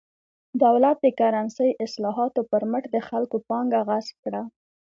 دولت د کرنسۍ اصلاحاتو پر مټ د خلکو پانګه غصب کړه.